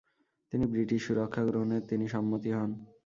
তিনি ব্রিটিশ সুরক্ষা গ্রহণে তিনি সম্মত হন।